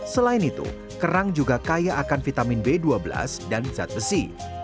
selain itu kerang juga kaya akan vitamin b dua belas dan zat besi